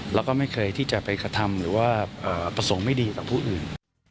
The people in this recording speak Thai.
แล้วก็ไม่เคยที่จะไปกระทำหรือว่าประสงค์ไม่ดีต่อผู้อื่น